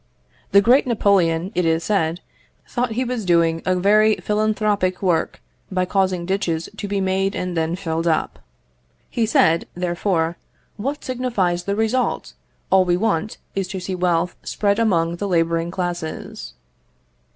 The great Napoleon, it is said, thought he was doing a very philanthropic work by causing ditches to be made and then filled up. He said, therefore, "What signifies the result? All we want is to see wealth spread among the labouring classes."